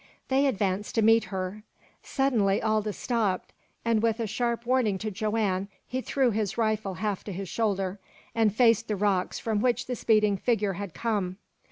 They advanced to meet her. Suddenly Aldous stopped, and with a sharp warning to Joanne he threw his rifle half to his shoulder, and faced the rocks from which the speeding figure had come.